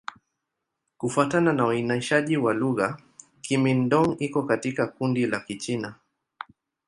Kufuatana na uainishaji wa lugha, Kimin-Dong iko katika kundi la Kichina.